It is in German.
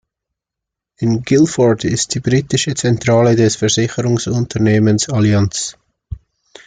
In Guildford ist die britische Zentrale des Versicherungsunternehmens Allianz.